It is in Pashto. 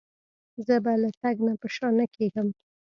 زه به له تګ نه په شا نه کېږم.